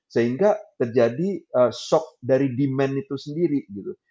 sehingga terjadi shock dari demand itu sendiri gitu